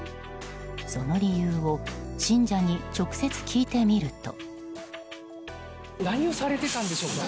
その理由を信者に直接、聞いてみると。